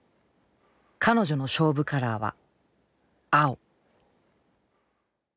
彼女の勝負カラーは青。